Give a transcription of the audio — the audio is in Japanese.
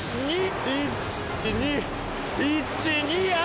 １２１２あ！